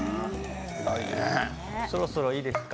そろそろいいですか。